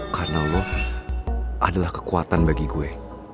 karena lo adalah kekuatan bagi gue